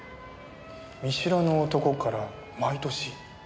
見知らぬ男から毎年？